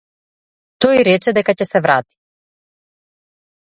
Тој рече дека ќе се врати.